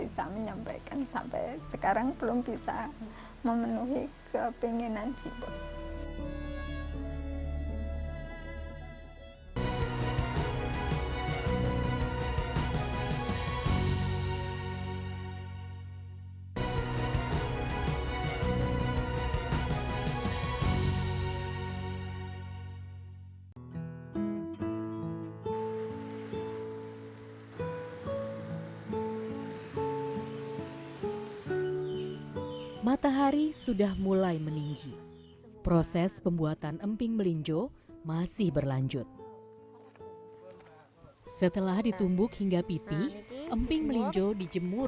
sesemen aja yang jauh lebih murah gitu